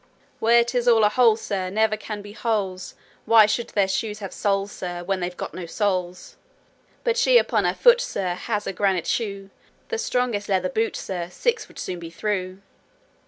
'Where 'tis all a hole, sir, Never can be holes: Why should their shoes have soles, sir, When they've got no souls? 'But she upon her foot, sir, Has a granite shoe: The strongest leather boot, sir, Six would soon be through.'